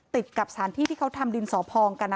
ติดกับสถานที่ที่เขาทำดินสอพองกัน